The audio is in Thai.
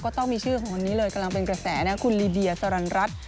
ต้องมีชื่อของคนนี้เลยกำลังเป็นกระแสนะคุณลีเดียสรรรัฐ